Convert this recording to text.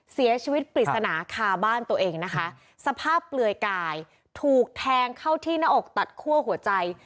เสียชีวิตปริศนาคาบ้านตัวเองนะคะสภาพเปลือยกายถูกแทงเข้าที่หน้าอกตัดคั่วหัวใจ